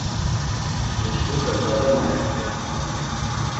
Dutsxupe zade maert̆ey.